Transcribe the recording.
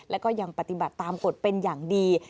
และก็ยังปฏิบัติตามกฎเป็นอย่างดี